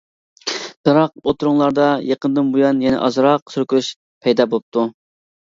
بىراق ئوتتۇراڭلاردا يېقىندىن بۇيان يەنە ئازراق سۈركىلىش پەيدا بوپتۇ.